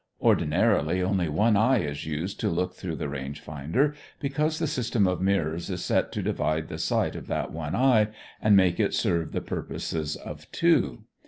Ordinarily only one eye is used to look through the range finder, because the system of mirrors is set to divide the sight of that one eye and make it serve the purposes of two.